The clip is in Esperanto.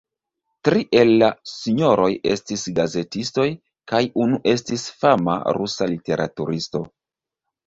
Tri el la sinjoroj estis gazetistoj kaj unu estis fama rusa literaturisto.